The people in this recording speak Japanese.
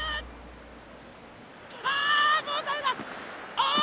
あ！